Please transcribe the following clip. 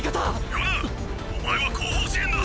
ヨナお前は後方支援だ！